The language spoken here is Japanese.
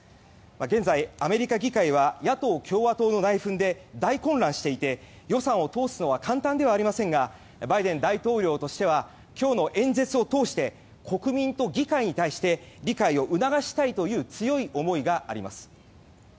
現在、アメリカ議会は野党・共和党の内紛で大混乱していて、予算を通すのは簡単ではありませんがバイデン大統領としては今日の演説を通して国民と議会に対して理解を促したいという強い思いがあります。